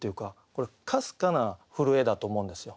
これかすかな震えだと思うんですよ。